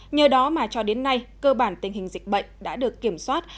nhờ đó mà cho đến nay cơ bản tình hình dịch bệnh đã được kiểm soát